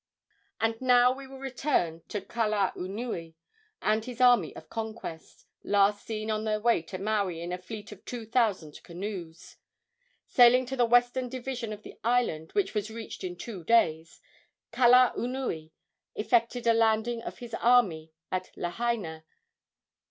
And now we will return to Kalaunui and his army of conquest, last seen on their way to Maui in a fleet of two thousand canoes. Sailing to the western division of the island, which was reached in two days, Kalaunui effected a landing of his army at Lahaina.